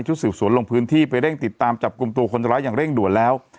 สืบสวนลงพื้นที่ไปเร่งติดตามจับกลุ่มตัวคนร้ายอย่างเร่งด่วนแล้ว